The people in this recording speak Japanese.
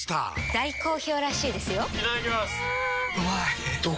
大好評らしいですよんうまい！